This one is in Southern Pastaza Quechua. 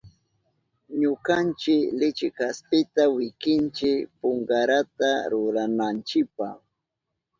Ñukanchi lichi kaspita wikinchi punkarata rurananchipa.